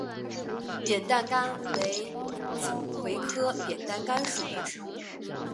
扁担杆为锦葵科扁担杆属的植物。